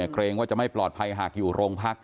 เกรงว่าจะไม่ปลอดภัยหากอยู่โรงพัก